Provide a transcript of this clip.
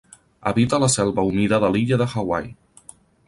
Habita la selva humida de l'illa de Hawaii.